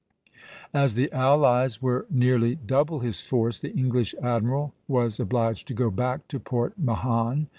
As the allies were nearly double his force, the English admiral was obliged to go back to Port Mahon.